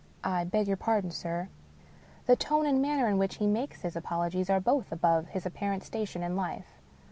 I beg your pardon, sir." The tone and manner in which he makes his apologies are both above his apparent station in life.